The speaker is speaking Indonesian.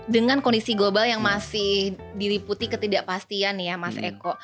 dengan kondisi global yang masih diliputi ketidakpastian ya mas eko